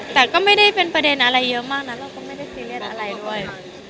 แต่ก็ไม่ได้เป็นประเด็นอะไรเยอะมากนะเราก็ไม่ได้ซีเรียสอะไรด้วย